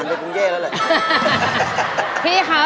ด้วยค่ะ